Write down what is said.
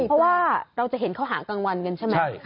เพราะว่าเราจะเห็นเขาหากลางวันกันใช่ไหม